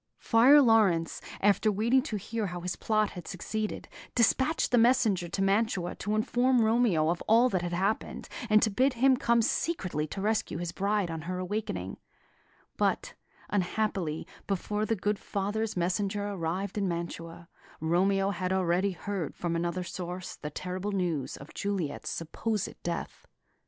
Friar Laurence, after waiting to hear how his plot had succeeded, despatched a messenger to Mantua to inform Romeo of all that had happened, and to bid him come secretly to rescue his bride on her awakening; but, unhappily, before the good father's messenger arrived in Mantua, Romeo had already heard from another source the terrible news of Juliet's supposed death.